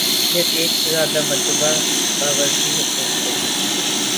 پھر ایک سے زیادہ مرتبہ باوردی حکومتیں۔